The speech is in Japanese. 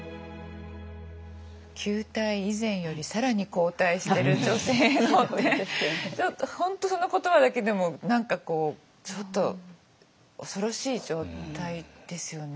旧態依然より更に後退してる女性のってちょっと本当その言葉だけでも何かこうちょっと恐ろしい状態ですよね。